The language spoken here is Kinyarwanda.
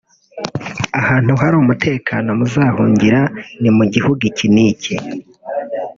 ahantu hari umutekano muzahungira ni mu gihugu iki niki